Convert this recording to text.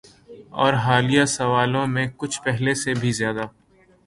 اورحالیہ سالوں میں کچھ پہلے سے بھی زیادہ۔